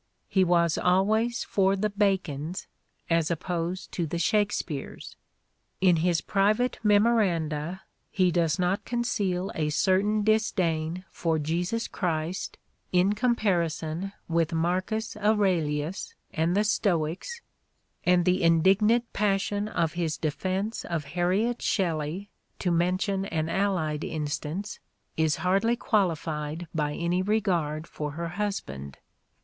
He was always for the Bacons as opposed to the Shakespeares ; in his private memoranda he does not conceal a certain disdain for Jesus Christ in comparison with Marcus Aurelius and the Stoics, and the indignant passion of his defense of Harriet Shelley, to mention an allied instance, is hardly qualified by any regard for her husband.